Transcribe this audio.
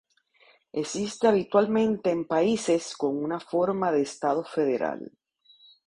Existe habitualmente en países con una forma de estado federal.